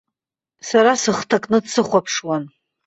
Сара сыхҭакны дсыхәаԥшуан.